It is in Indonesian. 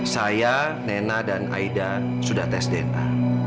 saya nena dan aida sudah tes dna